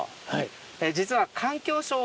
実は。